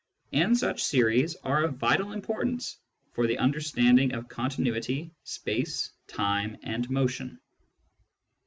And such series are of vital importance for the understanding of continuity, space, time, and motion.